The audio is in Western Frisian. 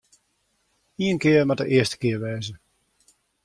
Ien kear moat de earste kear wêze.